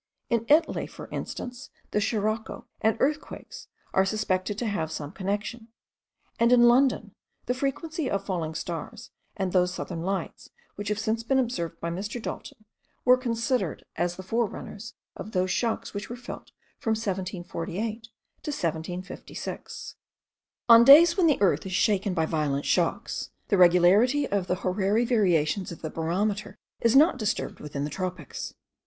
In Italy for instance, the sirocco and earthquakes are suspected to have some connection; and in London, the frequency of falling stars, and those southern lights which have since been often observed by Mr. Dalton, were considered as the forerunners of those shocks which were felt from 1748 to 1756. On days when the earth is shaken by violent shocks, the regularity of the horary variations of the barometer is not disturbed within the tropics.